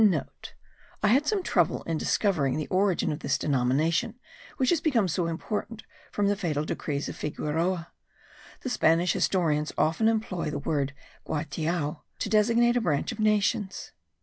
(* I had some trouble in discovering the origin of this denomination which has become so important from the fatal decrees of Figueroa. The Spanish historians often employ the word guatiao to designate a branch of nations.